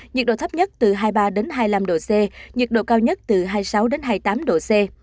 nhiệt độ thấp nhất từ hai mươi ba đến hai mươi năm độ c nhiệt độ cao nhất từ hai mươi sáu đến hai mươi tám độ c